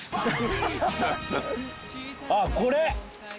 あっこれ！